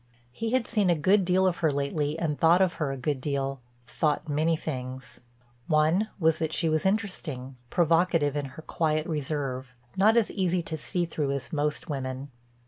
He had seen a good deal of her lately and thought of her a good deal—thought many things. One was that she was interesting, provocative in her quiet reserve, not as easy to see through as most women.